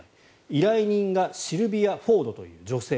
依頼人がシルヴィア・フォードという女性。